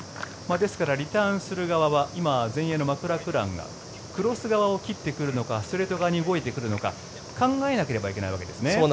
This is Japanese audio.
ですから、リターンする側は今前衛のマクラクランがクロス側を切ってくるのかストレート側に動いてくるのか考えなければいけないわけです。